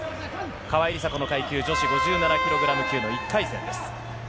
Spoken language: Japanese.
川井梨紗子の階級、女子５７ｋｇ級の１回戦です。